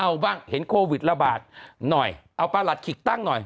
เอาบ้างเห็นโควิดระบาดหน่อยเอาประหลัดขิกตั้งหน่อย